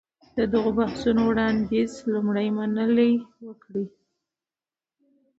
د دغو بحثو وړانديز لومړی منلي وکړ.